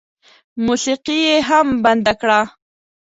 موسيقي یې هم بنده کړه.